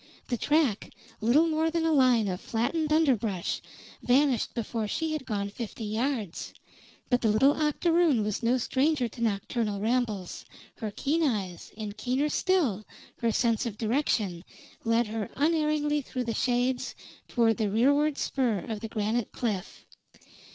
The track, little more than a line of flattened underbrush, vanished before she had gone fifty yards; but the little octoroon was no stranger to nocturnal rambles, her keen eyes, and, keener still, her sense of direction, led her unerringly through the shades toward the rearward spur of the granite cliff.